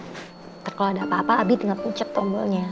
tante kalo ada apa apa abi tinggal pucat tombolnya